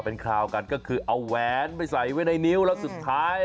เป็นข่าวกันก็คือเอาแหวนไปใส่ไว้ในนิ้วแล้วสุดท้าย